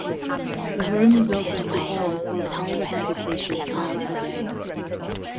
The room is open to all for private meditation throughout the day.